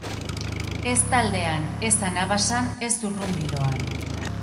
Ez taldean, ez anabasan, ez zurrunbiloan.